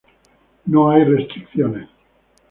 No hay restricciones.